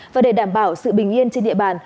và để đảm bảo sự bình yên trên địa bàn